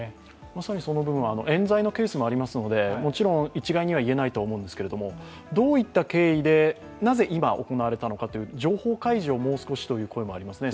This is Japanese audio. まさにその部分は、えん罪のケースもありますので、もちろん一概には言えないとは思いますがどういった経緯で、なぜ今行われたのかという情報開示をもう少しという考えもありますね。